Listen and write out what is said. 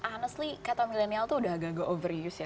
honestly kata milenial tuh udah agak agak overuse ya